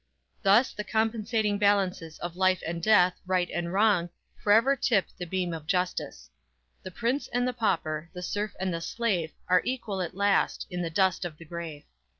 Thus, the compensating balances of life and death, right and wrong, forever tip the beam of justice. _The prince and the pauper, The serf and the slave, Are equal at last In the dust of the grave!